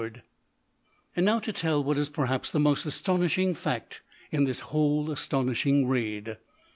And now to tell what is perhaps the most astonishing fact in this whole astonishing raid.